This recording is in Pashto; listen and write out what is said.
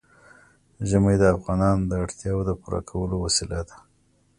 ژمی د افغانانو د اړتیاوو د پوره کولو وسیله ده.